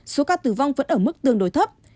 số ca tử vong vẫn ở mức tương đối thấp